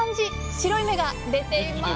白い「芽」が出ています！